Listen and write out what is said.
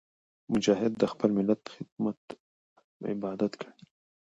مجاهد د خپل ملت خدمت عبادت ګڼي.